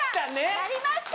なりました！